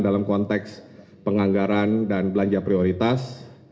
dalam konteks penganggaran dan belanja prioritas